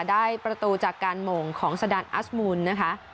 ได้ประตูจากการโหม่งของสดานอัสมูลนะคะ